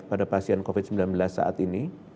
pada pasien covid sembilan belas saat ini